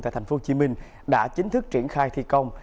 tại tp hcm đã chính thức triển khai thi công